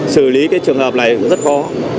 xử lý cái trường hợp này rất khó